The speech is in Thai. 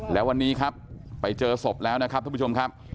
แล้ววันนี้ครับไปเจอศพแล้วนะครับทุกผู้ชมครับ